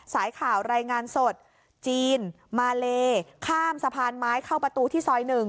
สายข่าวรายงานสดจีนมาเลข้ามสะพานไม้เข้าประตูที่ซอย๑